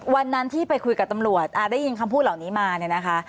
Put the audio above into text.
วันนั้นที่ไปคุยกับตำรวจได้ยินคำพูดเหล่านี้มาเนี่ยนะคะ